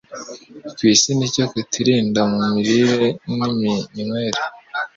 ku isi ni icyo kutirinda mu mirire n’iminywere.